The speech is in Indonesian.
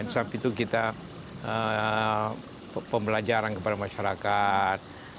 sebab itu kita pembelajaran kepada masyarakat